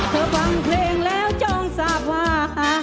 เธอฟังเพลงแล้วจองสาภา